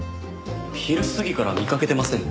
昼過ぎから見かけてません。